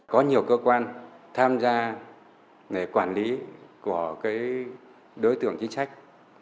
có nhiều cơ quan tham gia quản lý của đối tượng chính sách